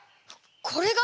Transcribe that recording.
これが？